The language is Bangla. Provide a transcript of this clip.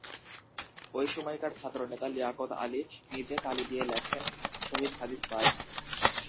ওই সময়কার ছাত্রনেতা লিয়াকত আলী নিজে কালি দিয়ে লেখেন ‘শহীদ হাদিস পার্ক’।